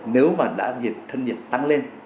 nếu mà đã thân nhiệt tăng lên